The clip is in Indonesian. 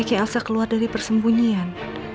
apa memang sebaiknya elsa keluar dari persembunyian